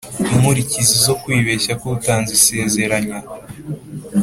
Inkurikizi zo kwibeshya k utanze isezeranya